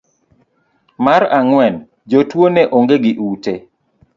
mar ang'wen jotuwo ne onge gi ute